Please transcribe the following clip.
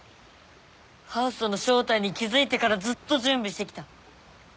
ハウスの正体に気付いてからずっと準備してきた。